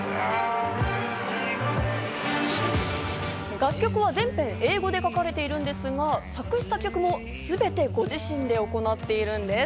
楽曲は全編英語で書かれているんですが、作詞・作曲もすべてご自身で行っているんです。